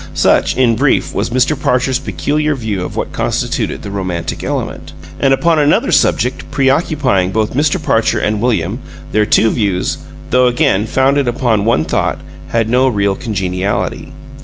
Such, in brief, was Mr. Parcher's peculiar view of what constituted the romantic element. And upon another subject preoccupying both Mr. Parcher and William, their two views, though again founded upon one thought, had no real congeniality.